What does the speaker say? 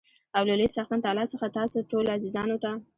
او له لوى څښتن تعالا څخه تاسو ټولو عزیزانو ته